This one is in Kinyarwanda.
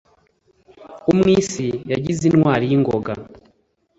Umwisi yagize intwari y' ingoga